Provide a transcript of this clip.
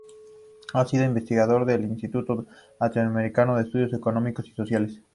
Ha sido investigador del Instituto Latinoamericano de Estudios Económicos y Sociales.